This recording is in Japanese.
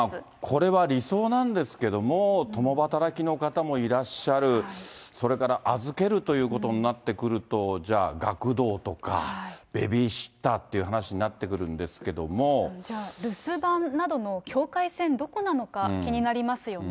これは理想なんですけども、共働きの方もいらっしゃる、それから預けるということになってくると、じゃあ学童とか、ベビーシッターとかっていう話になってくるんですけど、留守番などの境界線、どこなのか、気になりますよね。